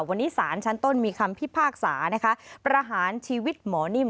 วันนี้สารชั้นต้นมีคำพิพากษานะคะประหารชีวิตหมอนิ่ม